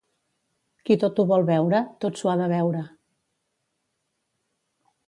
Qui tot ho vol veure, tot s'ho ha de beure.